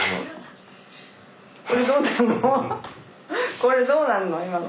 これどうなるの？